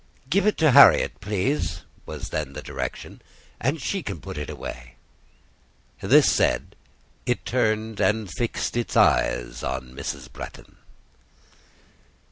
"Give it to Harriet, please," was then the direction, "and she can put it away." This said, it turned and fixed its eyes on Mrs. Bretton.